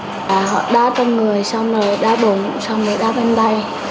và họ đá con người xong rồi đá bụng xong rồi đá bên đây